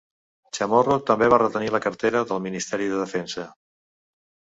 Chamorro també va retenir la cartera del Ministeri de Defensa.